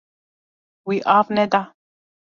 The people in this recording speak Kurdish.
Wî av neda.